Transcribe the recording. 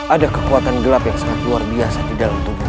ada kekuatan gelap yang sangat luar biasa di dalam tubuh